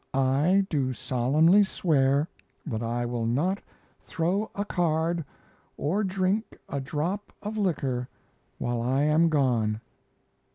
"I do solemnly swear that I will not throw a card or drink a drop of liquor while I am gone."